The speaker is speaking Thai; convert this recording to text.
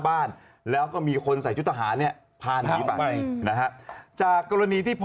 ชั้นล่างออกมาได้